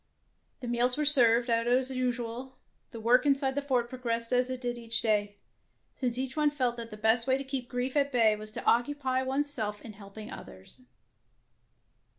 The meals were served out as usual, the work inside the fort progressed as it did each day, since each one felt that the best way to keep grief at bay was to occupy one's self in helping others.